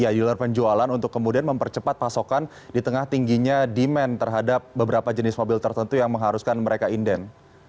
ya ular penjualan untuk kemudian mempercepat pasokan di tengah tingginya demand terhadap beberapa jenis mobil tertentu yang mengharuskan mereka inden